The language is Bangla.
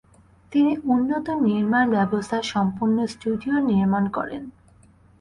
তিনি উন্নত নির্মাণ ব্যবস্থা সম্পন্ন স্টুডিও নির্মাণ করেন।